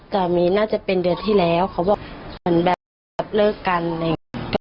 น่าจะเป็นเดือนที่แล้วเขาบอกเหมือนแบบเลิกกันอะไรอย่างนี้